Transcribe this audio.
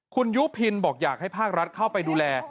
คุณยุพินบอกอยากให้ภาครัฐเข้าไปดูแล